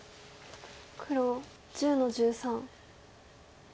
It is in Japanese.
黒１０の十三。